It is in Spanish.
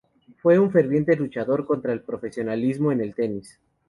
Fue un ferviente luchador contra el profesionalismo en el tenis.